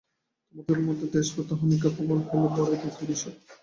তোমাদের মধ্যে দ্বেষভাব ও অহমিকা প্রবল হইলে বড়ই দুঃখের বিষয়।